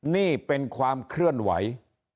นี่เป็นความเคลื่อนไหว